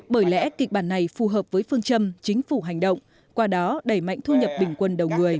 bởi lẽ kịch bản này phù hợp với phương châm chính phủ hành động qua đó đẩy mạnh thu nhập bình quân đầu người